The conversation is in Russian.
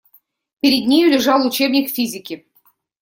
Перед нею лежал учебник физики.